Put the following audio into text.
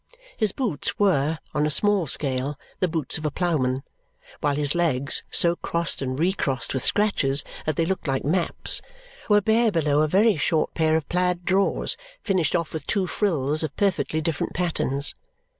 His boots were, on a small scale, the boots of a ploughman, while his legs, so crossed and recrossed with scratches that they looked like maps, were bare below a very short pair of plaid drawers finished off with two frills of perfectly different patterns.